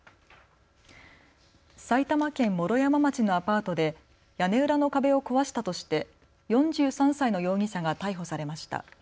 埼玉県毛呂山町のアパートで屋根裏の壁を壊したとして４３歳の容疑者が逮捕されました。